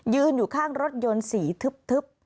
ยืนอยู่ข้างรถยนต์สีทึบ